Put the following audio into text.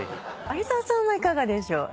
有澤さんはいかがでしょう？